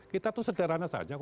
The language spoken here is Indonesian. kita itu sederhana saja